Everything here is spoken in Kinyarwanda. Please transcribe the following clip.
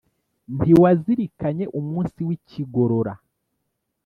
ntiwazirikanye umunsi w’i kigorora?